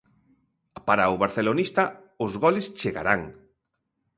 Para o barcelonista, os goles chegarán.